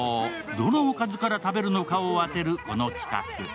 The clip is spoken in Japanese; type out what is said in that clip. どのおかずから食べるのかを当てる、この企画。